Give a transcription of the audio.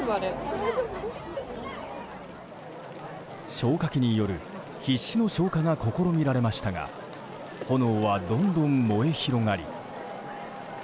消火器による必死の消火が試みられましたが炎はどんどん燃え広がり。